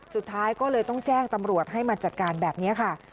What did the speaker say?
สุดท้ายก็เลยต้องแจ้งตำรวจให้มาจัดการแบบนี้ค่ะ